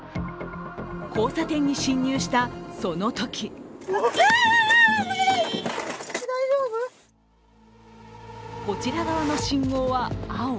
交差点に進入した、そのときこちら側の信号は青。